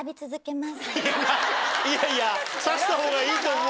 いやいや差したほうがいいと思うよ。